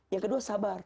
yang kedua sabar